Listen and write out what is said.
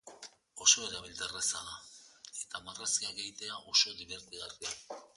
Oso erabilterraza da eta marrazkiak egitea oso dibertigarria.